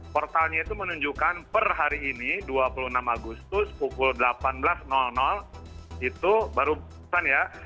portalnya itu menunjukkan per hari ini dua puluh enam agustus pukul delapan belas itu baru bulan ya